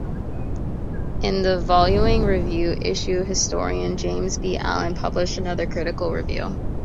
In the following "Review" issue, historian James B. Allen published another critical review.